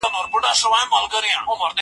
زه د کتابتوننۍ سره مرسته کړې ده!.